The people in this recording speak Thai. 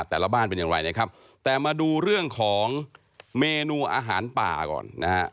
แต่ละบ้านเป็นอย่างไรนะครับแต่มาดูเรื่องของเมนูอาหารป่าก่อนนะฮะ